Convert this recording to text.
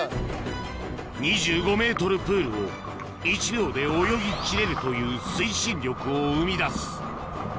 ２５ｍプールを１秒で泳ぎきれるという推進力を生み出す